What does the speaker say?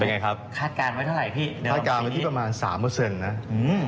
ไงครับคาดการณ์ไว้เท่าไหร่พี่นะครับคาดการณ์ไว้ที่ประมาณสามเปอร์เซ็นต์นะอืม